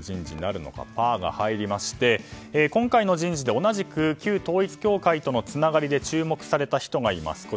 人事なるのか「パ」が入りまして今回の人事で同じく旧統一教会とのつながりで注目された人がいます。